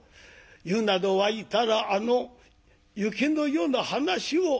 湯など沸いたらあの雪の夜の話を」。